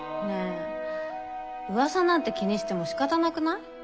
ねえ噂なんて気にしてもしかたなくない？